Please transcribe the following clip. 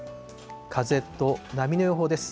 風と波の予報です。